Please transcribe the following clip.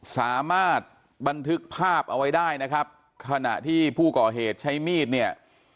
สามารถบันทึกภาพเอาไว้ได้นะครับขณะที่ผู้ก่อเหตุใช้มีดเนี่ย